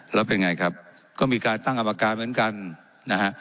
แล้วเป็นไงครับก็มีการตั้งกรรมการเหมือนกันนะฮะ